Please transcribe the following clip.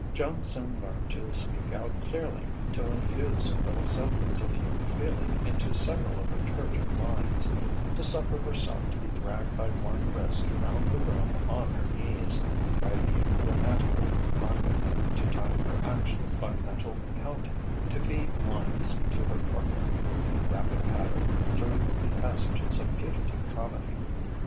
Joan soon learned to speak out clearly; to infuse some little semblance of human feeling into several of her turgid lines; to suffer herself to be dragged by one wrist round the room on her knees, by the romantical convict; to time her actions by mental counting; to "feed lines" to her partner in a rapid patter through the passages of putative comedy.